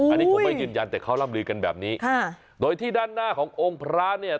อันนี้ผมไม่ยืนยันแต่เขาร่ำลือกันแบบนี้ค่ะโดยที่ด้านหน้าขององค์พระเนี่ย